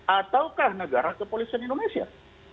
ataukah negara kepolisian indonesia